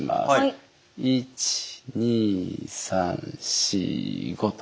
１２３４５と。